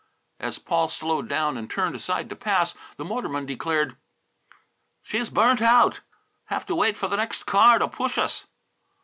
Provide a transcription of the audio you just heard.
As Paul slowed down and turned aside to pass, the motorman declared, "She's burned out. Have to wait for the next car to push us."